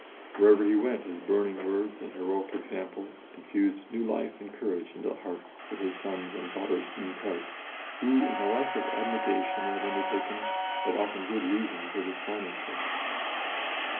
Wherever he went, his burning words and heroic example infused new life and courage into the hearts of his sons and daughters in Christ, who, in the life of abnegation they had undertaken, had often good reason for despondency.